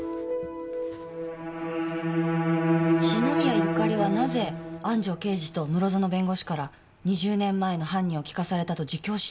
篠宮ゆかりはなぜ安城刑事と室園弁護士から２０年前の犯人を聞かされたと自供しなかったのか。